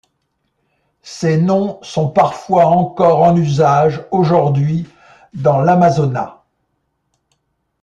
Ces noms sont parfois encore en usage aujourd'hui dans l'Amazonas.